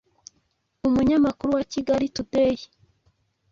umunyamakuru wa kigali today